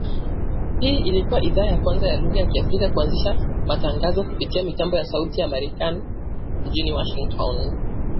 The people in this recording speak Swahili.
Hii ilikua idhaa ya kwanza ya lugha ya Kiafrika kuanzisha matangazo kupitia mitambo ya Sauti ya Amerika mjini Washington.